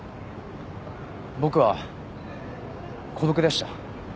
僕は孤独でした。